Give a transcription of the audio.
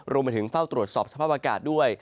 รวมไปถึงเฝ้าตรวจสอบสภาพอากาศด้วย